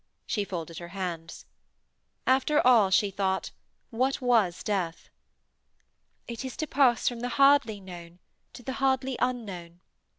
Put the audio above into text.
She folded her hands. After all, she thought, what was death? 'It is to pass from the hardly known to the hardly unknown.'